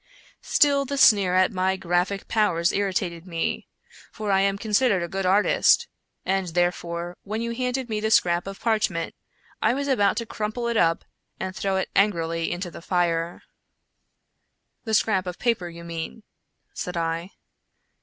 Still, the sneer at my graphic powers irritated me — for I am considered a good artist— and, therefore, when you handed me the scrap of parch ment, I was about to crumple it up and throw it angrily into the fire." 147 American Mystery Stories " The scrap of paper, you mean," said I.